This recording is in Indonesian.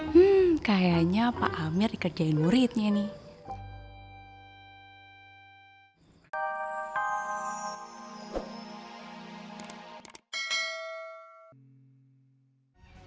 hmm kayaknya pak amir dikerjain muridnya nih